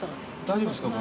大丈夫ですか？